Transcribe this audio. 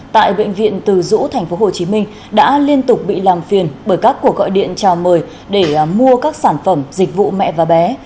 tại bệnh viện từ dũ tp hcm đã liên tục bị làm phiền bởi các cuộc gọi điện chào mời để mua các sản phẩm dịch vụ mẹ và bé